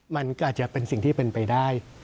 มันก็อาจจะเป็นสิ่งที่เป็นไปได้